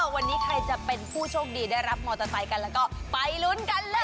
วันนี้ใครจะเป็นผู้โชคดีได้รับมอเตอร์ไซค์กันแล้วก็ไปลุ้นกันเลย